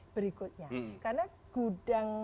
berikutnya karena gudang